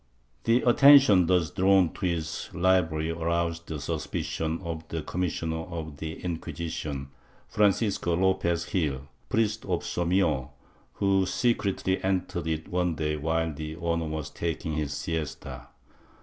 The atten tion thus drawn to his library aroused the suspicions of the com missioner of the Inquisition, Francisco Lopez Gil, priest of Somio, who secretly entered it one day while the owner was taking his siesta.